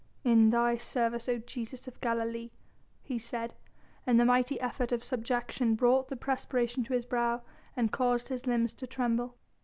"In Thy service, O Jesus of Galilee!" he said, and the mighty effort of subjection brought the perspiration to his brow and caused his limbs to tremble.